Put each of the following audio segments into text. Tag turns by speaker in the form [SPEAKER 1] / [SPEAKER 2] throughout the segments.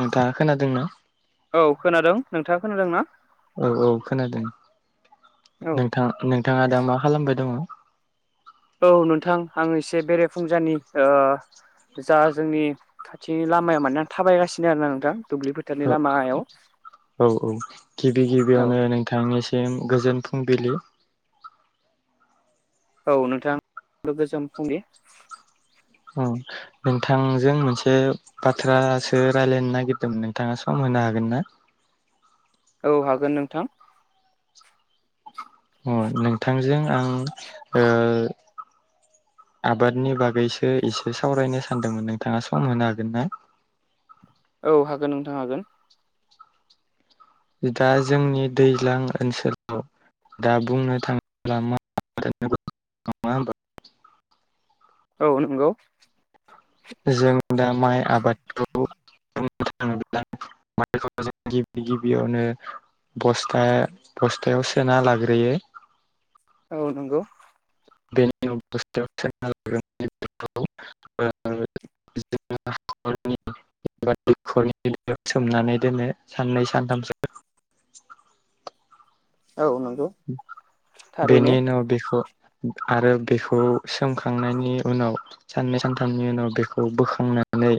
[SPEAKER 1] नोंथाङा खोनादोंना?
[SPEAKER 2] औ खोनादों नोंथाङा खोनादों ना?
[SPEAKER 1] औ औ खोनादों
[SPEAKER 2] औ
[SPEAKER 1] नोंथां नोंथाङा दा मा खालामबाय दङ'?
[SPEAKER 2] औ नोंथां आं एसे बेरेफुंजानि ओ जा जोंनि खाथिनि लामाया माने आं थाबायगासिनो आरोना नोंथां दुब्लिफोर
[SPEAKER 1] औ औ औ गिबि
[SPEAKER 2] औ
[SPEAKER 1] गिबियावनो नोंथांनिसि सिम गोजोन फुंबिलि
[SPEAKER 2] औ नोंथां बो गोजों फुंनि
[SPEAKER 1] उम नोंथांजों मोनसे बाथ्रासो रायलायनो नागिरदोंमोन नोंथाङा सम होनो हागोन ना?
[SPEAKER 2] औ हागोन नोंथां।
[SPEAKER 1] अ नोंथांजों आं ओ आबादनि बागैसो एसे सावरायनो सानदोंमोन नोंथाङा सम होनो हागोन ना?
[SPEAKER 2] औ हागोन नोंथां हागोन।
[SPEAKER 1] दा जोंनि दैज्लां ओनसोलाव दा बुंनो थाङोब्ला मा [inaudible] नङा होनबा।
[SPEAKER 2] औ नंगौ।
[SPEAKER 1] जों दा माइ आबादखौ [inaudible] बियावनो बस्था बस्थायाव सोना लाग्रोयो।
[SPEAKER 2] औ नंगौ।
[SPEAKER 1] बेनि उनाव बस्थायाव सोनालाग्रोना बिखौ [inaudible] [inaudible] दैखरनि दैयाव सोमनानै दोनो साननै सानथामसो।
[SPEAKER 2] औ नोंगौ।
[SPEAKER 1] उम बेनि उनाव बेखौ आरो बेखौ सोमखांनायनि उनाव साननै सानथामनि उनाव बेखौ बोखांनानै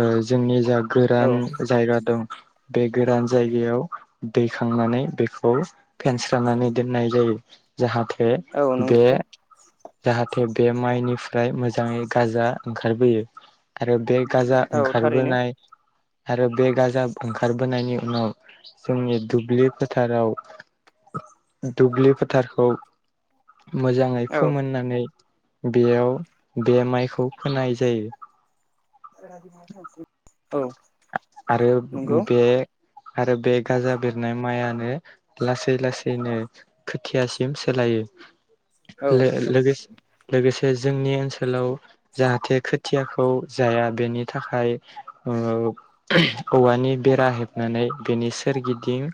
[SPEAKER 1] ओ जोंनि जा गोरान
[SPEAKER 2] औ
[SPEAKER 1] जायगा दं बे गोरान जायगायाव दैखांनानै बेखौ फेनस्रा नानै दोननाय जायो जाहाथे
[SPEAKER 2] औ नंगौ
[SPEAKER 1] बे जाहाथे बे माइनिफ्राय मोजाङै गाजा ओंखारबोयो आरो बे गाजा
[SPEAKER 2] औ थारैनो
[SPEAKER 1] ओंखारबोनाय आरो बे गाजा ओंखारबोनायनि उनाव जोंनि दुब्लि फोथाराव दुब्लि फोथारखौ मोजाङै
[SPEAKER 2] औ
[SPEAKER 1] फोमोननानै बेयाव बे माइखौ फोनाय जायो।
[SPEAKER 2] औ
[SPEAKER 1] आ-आरो
[SPEAKER 2] नंगौ
[SPEAKER 1] बे आरो बे गाजा बेरनाय माइयानो लासै लासैनो खोथियासिम सोलायो
[SPEAKER 2] औ
[SPEAKER 1] लो-लोगोसे लोगोसे जोंनि ओनसोलाव जाहाथे खोथियाखौ जाया बेनि थाखाय ओ औवानि बेरा हेबनानै बेनि सोरगिदिं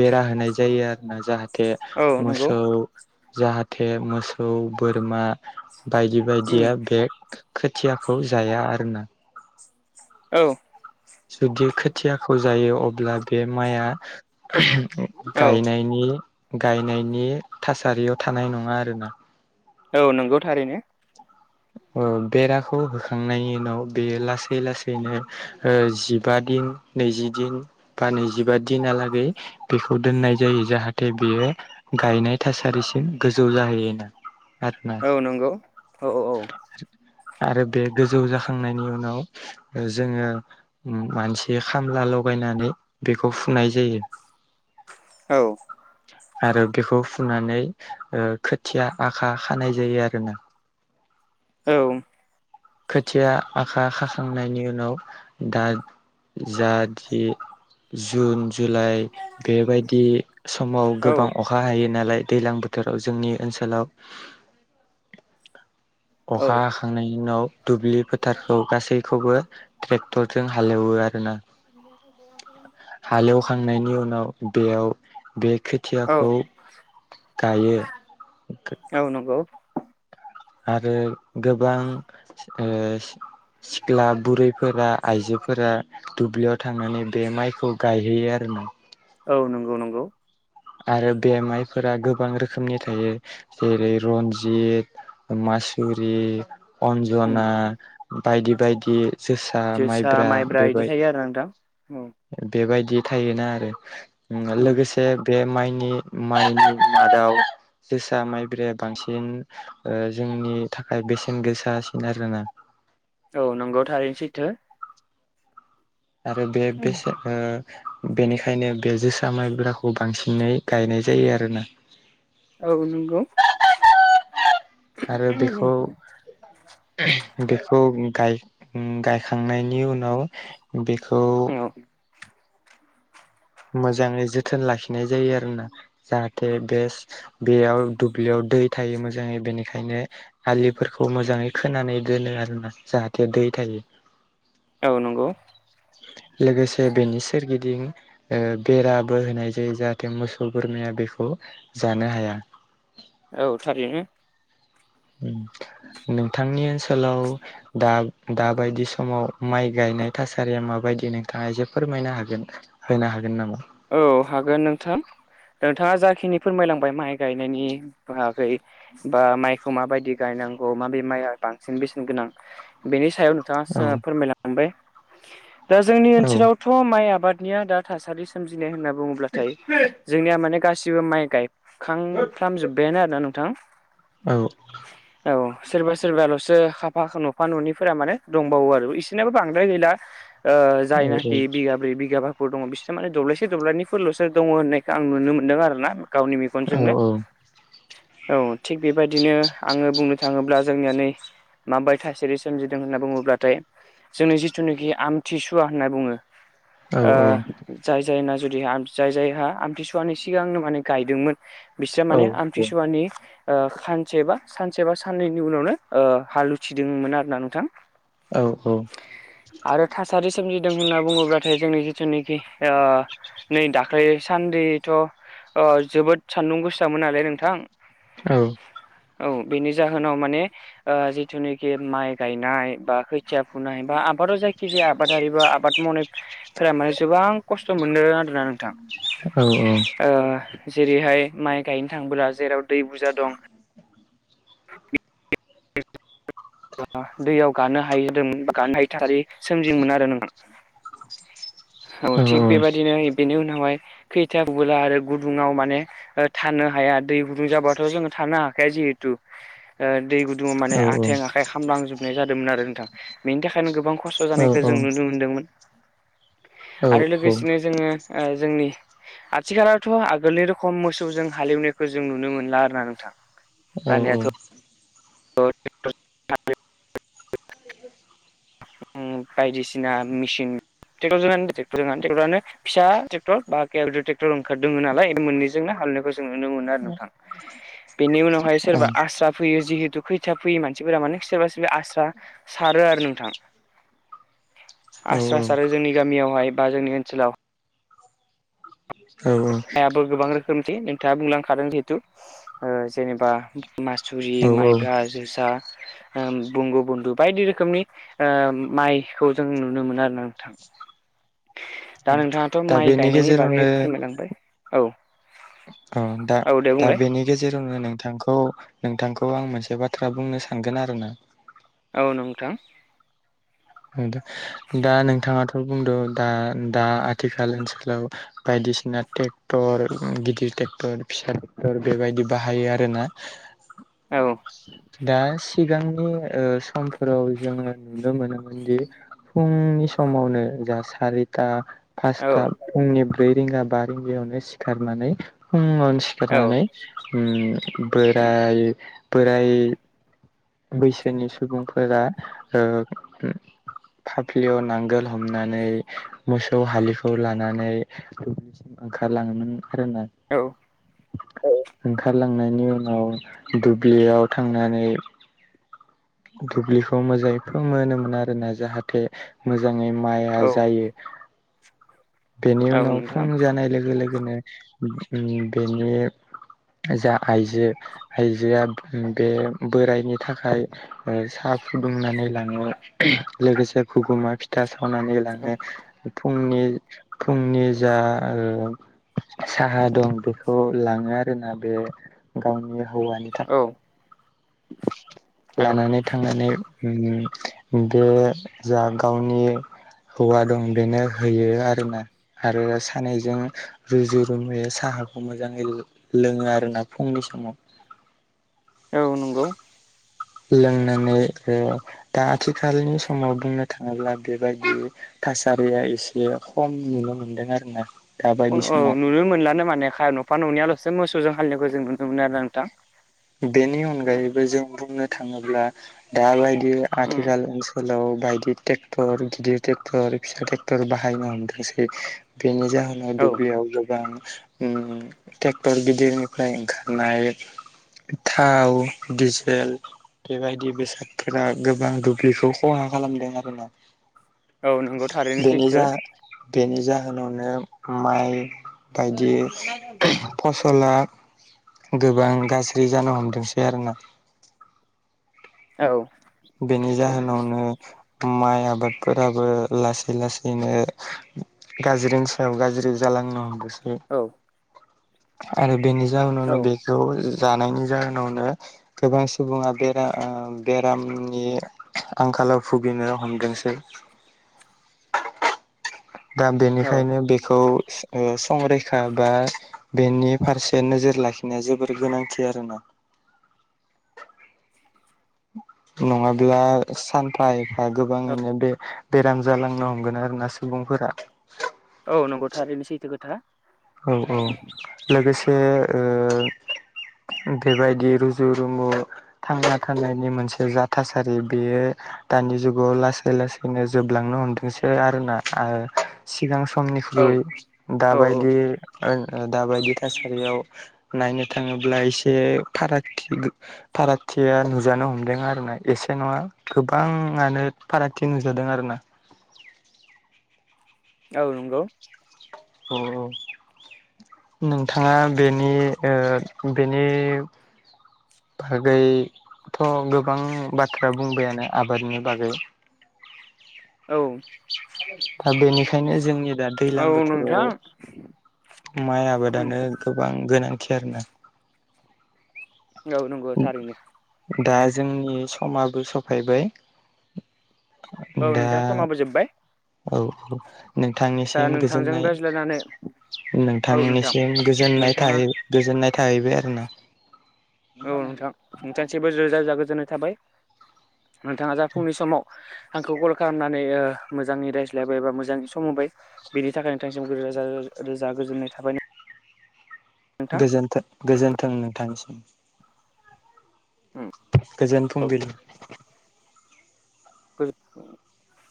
[SPEAKER 1] बेरा होनाय जायो आरो ना जाहा थे
[SPEAKER 2] औ नंगौ
[SPEAKER 1] मोसौ जाहाथे मोसौ बोरमा बायदि
[SPEAKER 2] उम
[SPEAKER 1] बायदिया बे खोथियाखौ जाया आरोना।
[SPEAKER 2] औ
[SPEAKER 1] जुदि खोथियाखौ जायो अब्ला बे माइआ
[SPEAKER 2] औ
[SPEAKER 1] गायनायनि गायनायनि थासारियाव थानाय नङा आरोना।
[SPEAKER 2] औ नंगौ थारैनो
[SPEAKER 1] ओ बेराखौ होखांनायनि उनाव बेयो लासै लासैनो ओ जिबा दिन नैजि दिन बा नैजिबा दिनालागै बेखौ दोननाय जायो जाहाथे बेयो गायनाय थासारिसिम गोजौ जाहैयोना आरोना
[SPEAKER 2] औ नंगौ औ औ औ
[SPEAKER 1] आरो बे गोजौ जाखांनायनि उनाव ओ जोङो मानसि खामला लगायनानै बेखौ फुनाय जायो।
[SPEAKER 2] औ
[SPEAKER 1] आरो बेखौ फुननानै ओ खोथिया आखा खानाय जायो आरो ना
[SPEAKER 2] औ
[SPEAKER 1] खोथिया आखा खाखांनायनि उनाव दा जाद जि जुन जुलाइ बेबायदि समाव गोबां अ
[SPEAKER 2] औ
[SPEAKER 1] अखा हायो नालाय दैलां बोथोराव जोंनि ओनसोलाव
[SPEAKER 2] औ
[SPEAKER 1] अखा हाखांनायनि उनाव दुब्लि फोथारखौ गासै खौबो ट्रेक्टरजों हालेवो आरोना।
[SPEAKER 2] [unintelligible]
[SPEAKER 1] हालेवखांनायनि उनाव बेयाव बे
[SPEAKER 2] औ
[SPEAKER 1] खोथियाखौ गायो।
[SPEAKER 2] औ नंगौ।
[SPEAKER 1] आरो गोबां ओ सिख्ला बुरैफोरा आइजोफोरा दुब्लियाव थांनानै बे माइखौ गायहैयो आरोना।
[SPEAKER 2] औ नंगौ नंगौ।
[SPEAKER 1] आरो बे माइफोरा गोबां रोखोमनि थायो जेरै रन्जित मासुरि
[SPEAKER 2] उम
[SPEAKER 1] अन्जना बायदि बायदि जोसा माइब्रा
[SPEAKER 2] इदि
[SPEAKER 1] बेबाय
[SPEAKER 2] थायो आरो नोंथां औ
[SPEAKER 1] बेबायदि थायोना आरो उम लोगोसे बे माइनि माइनि मादाव जोसा माइब्राया बांसिन ओ जोंनि थाखाय बेसेन गोसासिन आरोना
[SPEAKER 2] औ नंगौ थारैनो सैथो।
[SPEAKER 1] आरो बे बेसे ओ बेनिखायनो बे जोसा माइब्राखौ बांसिनै गायनाय जायो आरोना।
[SPEAKER 2] औ नंगौ
[SPEAKER 1] आरो बेखौ बेखौ गायखांनायनि उनाव बेखौ
[SPEAKER 2] औ
[SPEAKER 1] मोजाङै जोथोन लाखिनाय जायो आरोना जाहाथे बेस बेयाव दुब्लियाव दै थायो मोजाङै बेनिखायनो हलिफोरखौ मोजाङै खोनानै दोनो आरोना जाहाथे दै थायो
[SPEAKER 2] औ नंगौ
[SPEAKER 1] लोगोसे बेनि सोरगिदिं ओ बेराबो होनाय जायो जाहाथे मोसौ बोरमाया बेखौ जानो हाया।
[SPEAKER 2] औ थारैनो
[SPEAKER 1] नोंथांनि ओनसोलाव दा दाबायदि समाव माइ गायनाय थासारिया माबायदि नोंथाङा एसे फोरमायनो हागोनना? होनो हागोन नामा
[SPEAKER 2] औ हागोन नोंथां नोंथाङा जाखिनि फोरमायलांबाय माइ गायनायनि बागै बा माइखौ माबायदि गायनांगौ माबे माइआ बांसिन बेसेन गोनां बेनि सायाव दा जा
[SPEAKER 1] औ
[SPEAKER 2] फोरमायलांबाय दा जोंनि ओनसोलावथ' माइ आबादनिया दा थासारि सोमजिनाय होनना बुङोब्लाथाय जोंनिया माने गासिबो माइ गाय खांफ्राम जोब्बायानो आरोना नोंथां।
[SPEAKER 1] औ
[SPEAKER 2] औ सोरबा सोरबाल'सो खाफा न'फा न'निफोरा माने दंबावो आरो इसोरनाबो बांद्राय गैला ओ जायनाखि बिगाब्रै बिगाबाफोर दङ बिसोरना माने दब्लायसे दब्लायनिफोरल'सो दङ होननायखौ आं नुनो मोनदों आरो ना गावनि बि
[SPEAKER 1] औ औ
[SPEAKER 2] औ थिग बेबायदिनो आङो बुंनो थाङोब्ला जोंनिया नै माबाय थासारि सोमजिदों होनना बुङोब्लाथाय जोंनि जिथुनोखि आमथिसुवा होनना बुङो ओ जाय जायना जुदि जाय जायहा आमथिसुवानि सिगांनो माने गायदोंमोन बिस्रा माने आमथिसुवानि ओ सानसे बा सानसे बा साननैनि उनावनो ओ हाल उथिदोंमोन आरोना नोंथां
[SPEAKER 1] औ औ
[SPEAKER 2] आरो थासारि सोमजिदों होनना बुङोब्लाथाय जोंनि जिथुनोखि ओ नै दाख्लै सान्देथ' ओ जोबोद सान्दुं गोसामोन नालाय नोंथां
[SPEAKER 1] औ
[SPEAKER 2] औ बेनि जाहोनाव माने ओ जिथुनोखि माइ गायनाय बा खोथिया फुनाय बा आ आबादाव जायखिजाया आबादारि बा आबाद मावनायफोरा माने जेबां खस्थ' मोनो [unintelligible] नोंथां ओ जेरैहाय माइ गायनो थांबोला जेराव दै बुरजा दं [unintelligible] दैयाव गानो हायि [unintelligible] हायि थासारि सोमजिमोन आरो नोंथां औ थिग बेबायदिनो बेनि उनावहाय खैथाबोला आरो गुदुङाव माने ओ थानो हाया दै गुदुं जाबाथ' जोङो थानो हाखाया जिहेथु ओ दै गु दुङाव माने आथें आखाइ खामलांजोबनाय जादोंमोन आरो नोंथां बेनि थाखायनो गोबां खस्थ' जानायखौ जों नुनो मोनदोंमोन आरो लोगोसेनो जोङो जोंनि आथिखालावथ' आगोलनि रोखम मोसौजों हाल एवनायखौ जों नुनो मोनला आरोना नोंथां
[SPEAKER 1] औ औ
[SPEAKER 2] [unintelligible] बायदिसिना मेचिं ट्रेक्टर्रेटर [unintelligible] ट्रेक्टरानो फिसा ट्रेक्टर बा [unintelligible] ट्रेक्टर ओंखारदों नालाय बे मोननैजोंनो हाल एवनायखौ जों जों नुनो मोन आरो नोंथां बेनि उनावहाय सोरबा आसा फैयो जिहेथु खै खैथया फैयो मानसिफोरा माने सोरबा सोरबा आस्रा सारो आरो नोंथां आस्रा सारो जोंनि गामियावहाय बा जोंनि ओनसोलाव आइयाबो गोबां रोखोमथिै नोंथाङा बुंलांखादों जिहेथु जेनेबा मासुरि माइब्रा जोसा बंग' बन्दु बायदि रोखोमनि माइखौ जों नुनो मोनो आरो ना नोंथां दा नोंथाङाथ' माइ
[SPEAKER 1] बेनि
[SPEAKER 2] गायनायनि बागै
[SPEAKER 1] गेजेरावनो
[SPEAKER 2] फोरमायलांबाय औ
[SPEAKER 1] औ दा
[SPEAKER 2] दे
[SPEAKER 1] दा
[SPEAKER 2] बुंलाय
[SPEAKER 1] बेनि गेजेरावनो नोंथांखौ नोंथांखौ आं मोनसे बाथ्रा बुंनो सानगोन आरोना
[SPEAKER 2] औ नोंथां
[SPEAKER 1] दा नोंथाङाथ' बुंदों दा दा आथिखाल ओनसोलाव बायदिसिना ट्रेक्टर गिदिर ट्रेक्टर फिसा ट्रेक्टर बेबायदि बाहायो आरोना
[SPEAKER 2] औ
[SPEAKER 1] दा सिगांनि समफोराव जोङो नुनो मोनो दि फुंनि समावनो जा सारिथा
[SPEAKER 2] औ
[SPEAKER 1] फासथा फुंनि ब्रै रिंगा बा रिंगायावनो सिखारनानै फुङावनो
[SPEAKER 2] औ
[SPEAKER 1] सिखारनानै ओम बोराय बोराय बैसोनि सुबुंफोरा फाफ्लियाव नांगोल हमनानै मोसौ हालिखौ लानानै ओंखारलाङोमोन आरोना
[SPEAKER 2] औ
[SPEAKER 1] ओंखारलांनायनि उनाव दुब्लियाव थांनानै दुब्लिखौ मोजाङै मोनोमोन आरोना जाहाथे मोजाङै माइआ
[SPEAKER 2] औ
[SPEAKER 1] जायो बेनि
[SPEAKER 2] औ
[SPEAKER 1] उनाव फुं
[SPEAKER 2] नोंथां
[SPEAKER 1] जानाय लोगो लोगो बिनो बेनि जा आइजो आइजोआ बे बोराइनि थाखाय साहा फुदुंनानै लाङो लोगोसे हुगुमा फि फिथा सावनानै
[SPEAKER 2] औ
[SPEAKER 1] लाङो फुंनि फुंनि जा साहा दं बेखौ लाङो आरोना बे गावनि हौवानि थाखाय
[SPEAKER 2] औ
[SPEAKER 1] लानानै थांनानै बे जा गावनि हौवा दं बेनो होयो आरोना आरो सानैजों रुजु रुमुयो साहाखौ मोजाङै लोङो आरोना फुंनि समाव
[SPEAKER 2] औ नंगौ
[SPEAKER 1] लोंनानै दा आथिखालनि समाव बुंनो थाङोब्ला बेबायदि थासारिया एसे खम नुनो मोनदों आरो ना
[SPEAKER 2] औ नुनो मोनलानो माने न'फा न'नियाल'सो मोसौजों हालि एनायखौ जों नुनो मोनो आरोना नोंथां
[SPEAKER 1] बेनि अनगायैबो जों बुंनो थाङोब्ला दा बाय दि
[SPEAKER 2] उम
[SPEAKER 1] आथिखाल ओनसोलाव बायदि टेक ट्रेक्टर गिदिर ट्रेक्टर फिसा ट्रेक्टर बाहायनो हमदोंसै बेनि जाहोनाव
[SPEAKER 2] औ
[SPEAKER 1] दुब्लियाव गोबां ट्रेक्टर गिदिरनिफ्राय ओंखारनाय थाव डिजेल बेबायदि बेसादफोरा गोबां दुब्लिखौ खहा खालामदों आरोना
[SPEAKER 2] औ नंगौ थारैनो
[SPEAKER 1] बेनि
[SPEAKER 2] सैथो
[SPEAKER 1] जा बेनि जाहोनावनो माइ बायदि फसला गोबां गासै फ्रि जानो हमदोंसै आरोना
[SPEAKER 2] औ
[SPEAKER 1] बेनि जाहोनावनो माइ आबादफोराबो लासै लासैनो गाज्रिनि सायाव गाज्रि जालांनो हमदोसै
[SPEAKER 2] औ
[SPEAKER 1] आरो बेनि
[SPEAKER 2] औ
[SPEAKER 1] जाउनावनो बे ज जानायनि जाहोनावनो गोबां सुबुङा बेरा बेराम नि आंखाालाव भुगिनो हमदोंसै। दा
[SPEAKER 2] औ
[SPEAKER 1] बेनिखायनो बेखौ संरैखा बा बेनि फारसे नोजोर लाखिनाया जोबोर गोनांथि आरोना नङाब्ला सानफा एफा
[SPEAKER 2] औ
[SPEAKER 1] गोबाङैनो बे बेराम जालांनो हमगोन आरो ना सुबुंफोरा
[SPEAKER 2] औ नंगौथ' ओरैनो सैथो खोथा
[SPEAKER 1] औ औ लोगोसे बेबायदि रुजु रुमु थांना थानायनि मोनसे जा थासारि बेयो दानि जुगाव लासै लासैनो जोबलांनो हमदोंसो आरोना सिगां
[SPEAKER 2] औ
[SPEAKER 1] समनिख्रुइ
[SPEAKER 2] औ
[SPEAKER 1] दाबायदि दाबायदि थासारियाव नायनो थाङोब्ला एसे फारागथि फारागथिया नुजानो हमदों आरो ना एसे नङा गोबाङानो फारागथि नुजादों आरो ना
[SPEAKER 2] औ नंगौ।
[SPEAKER 1] औ। नोंथाङा बेनि बेनि बागैथ' गोबां बाथ्रा बुंबायानो आबादनि बागै [unintelligible]
[SPEAKER 2] औ।
[SPEAKER 1] दा बेनिखायनो जोंनि दा दैलां
[SPEAKER 2] औ
[SPEAKER 1] बोथोराव
[SPEAKER 2] नोंथां
[SPEAKER 1] माइ
[SPEAKER 2] उम
[SPEAKER 1] आबादानो गोबां गोनांथि आरो ना
[SPEAKER 2] औ नंगौ थारैनो
[SPEAKER 1] दा जोंनि समाबो सफायबाय
[SPEAKER 2] औ
[SPEAKER 1] दा
[SPEAKER 2] नोंथां समाबो जोब्बाय
[SPEAKER 1] औ औ।
[SPEAKER 2] दा
[SPEAKER 1] नोंथांनिसिम
[SPEAKER 2] नोंथांजों
[SPEAKER 1] गोजोननाय
[SPEAKER 2] रायज्लायनानै औ नोंथां
[SPEAKER 1] नोंथांनिसिम गोजोननाय थ
[SPEAKER 2] नोंथाङा
[SPEAKER 1] गोजोननाय थाहैबाय आरो ना।
[SPEAKER 2] औ नोंथां नोंथांसेबो रोजा रोजा गोजोननाय थाबाय नोंथाङा जा फुंनि समाव आंखौ कल खालामनानै मोजाङै रायज्लायबाय बा मोजाङै सम होबाय। बेनि थाखाय नोंथांसिम ग रोजा रोजा गोजोननाय थाबाय न
[SPEAKER 1] थों गोजोन्थों नोंथांनिसिम गोजोन
[SPEAKER 2] औ
[SPEAKER 1] फुंबिलि
[SPEAKER 2] [unintelligible]